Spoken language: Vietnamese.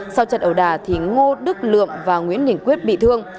sau trận ẩu đà thì ngô đức lượm và nguyễn đình quyết bị thương